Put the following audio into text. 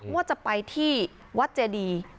ว่าจะไปที่วัดเจดี